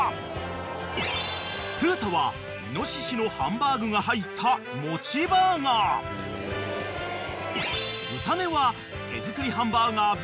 ［空太はイノシシのハンバーグが入った餅バーガー］［雨種は手作りハンバーガー］